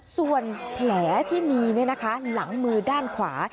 ส่วนแผลที่มีหลังมือด้านขวา